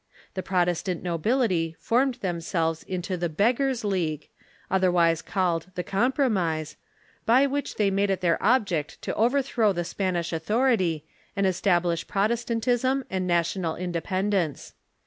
The Protestant nobility formed themselves into the Beggars' League, otherAvise called the Compromise, by Avhich they made it their object to over throAV the Spanish authority and establish Protestantism and national independence.